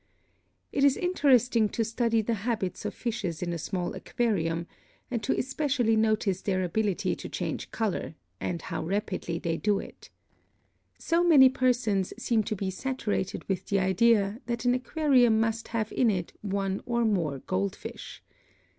It is interesting to study the habits of fishes in a small aquarium, and to especially notice their ability to change color, and how rapidly they do it. So many persons seem to be saturated with the idea that an aquarium must have in it one or more gold fish.